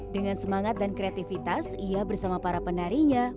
dengan semangat dan kreativitas ia bersama para penarinya